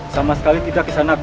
sama sekali tidak kisanak